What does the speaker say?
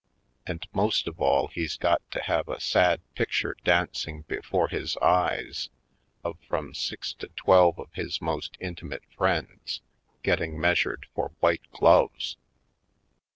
And most of all he's got to have a sad picture dancing be fore his eyes of from six to twelve of his most intimate friends getting measured for white gloves.